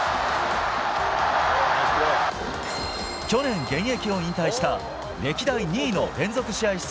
去年、現役を引退した歴代２位の連続試合